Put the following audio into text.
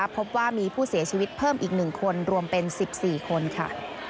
พบว่ามีผู้เสียชีวิตเพิ่มอีก๑คนรวมเป็น๑๔คนค่ะ